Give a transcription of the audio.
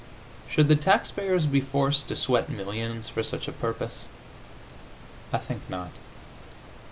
Should the taxpayers be forced to sweat millions for such a purpose? I think not.